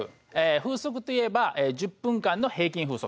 風速といえば１０分間の平均風速。